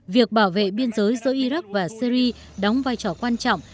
việc bảo vệ biên giới giữa iraq và syri đóng vai trò quan trọng